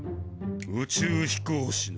宇宙飛行士の。